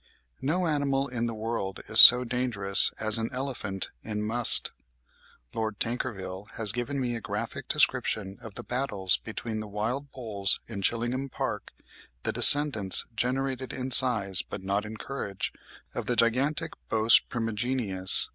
No animal in the world is so dangerous as an elephant in must. Lord Tankerville has given me a graphic description of the battles between the wild bulls in Chillingham Park, the descendants, degenerated in size but not in courage, of the gigantic Bos primigenius.